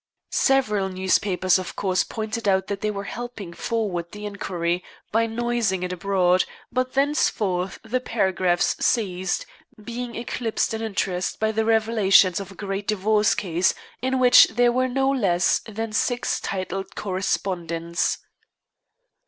Several newspapers, of course, pointed out that they were helping forward the inquiry by noising it abroad, but thenceforth the paragraphs ceased, being eclipsed in interest by the revelations of a great divorce case in which there were no less than six titled co respondents.